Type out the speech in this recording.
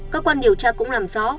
các quan điều tra cũng làm rõ